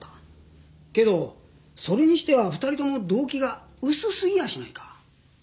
けどそれにしては２人とも動機が薄すぎやしないか？